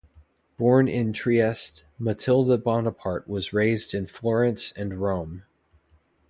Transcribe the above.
Born in Trieste, Mathilde Bonaparte was raised in Florence and Rome.